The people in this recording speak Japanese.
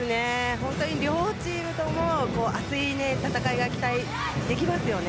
本当に両チームとも熱い戦いが期待できますよね。